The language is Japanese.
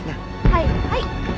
はいはい。